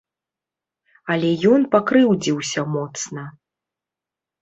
Але ён пакрыўдзіўся моцна.